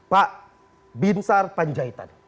pak binsar panjaitan